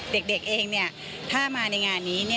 เด็กเองถ้ามาในงานนี้